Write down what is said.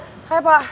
hah hai pak